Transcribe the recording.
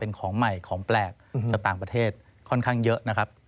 เป็นของใหม่ของแปลกจากต่างประเทศค่อนข้างเยอะนะครับ